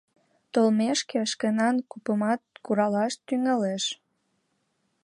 Толмекше, шкенан купымат куралаш тӱҥалеш.